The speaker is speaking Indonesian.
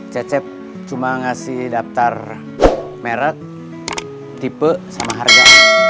cecep cuma ngasih daftar merek tipe sama harga